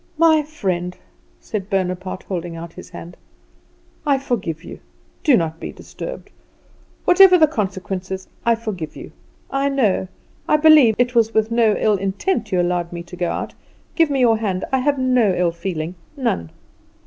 "My friend," said Bonaparte, holding out his hand, "I forgive you; do not be disturbed. Whatever the consequences, I forgive you. I know, I believe, it was with no ill intent that you allowed me to go out. Give me your hand. I have no ill feeling; none!"